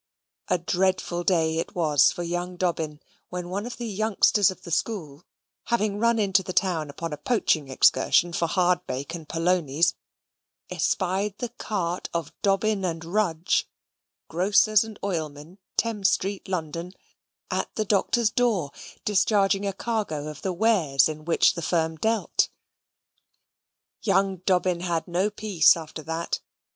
A dreadful day it was for young Dobbin when one of the youngsters of the school, having run into the town upon a poaching excursion for hardbake and polonies, espied the cart of Dobbin & Rudge, Grocers and Oilmen, Thames Street, London, at the Doctor's door, discharging a cargo of the wares in which the firm dealt. Young Dobbin had no peace after that.